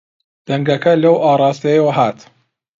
دەنگەکە لەو ئاراستەیەوە هات.